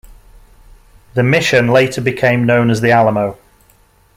The mission later became known as the Alamo.